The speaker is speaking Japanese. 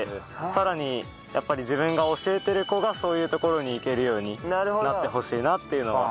さらにやっぱり自分が教えてる子がそういうところに行けるようになってほしいなっていうのは。